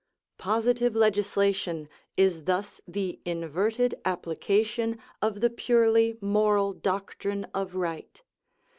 Positive legislation is thus the inverted application of the purely moral doctrine of right.